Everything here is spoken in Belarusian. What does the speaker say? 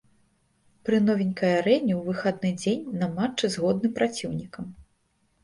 Пры новенькай арэне, у выхадны дзень, на матчы з годным праціўнікам.